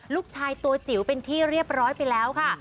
ลูกชายตัวจิ๋วเป็นที่เรียบร้อยไปแล้วค่ะ